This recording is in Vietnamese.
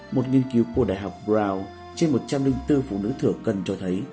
một nghiên cứu của đại học brown trên một trăm linh bốn phụ nữ thừa cân cho thấy